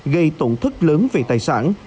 gây tổn thất lớn về tài sản